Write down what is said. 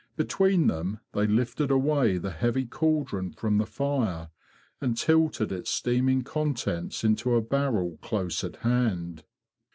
Between them they lifted away the heavy caldron from the fire, and tilted its steaming contents into a barrel close at hand.